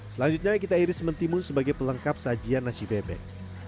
selanjutnya kita iris mentimun sebagai pelengkap sajian nasi bebek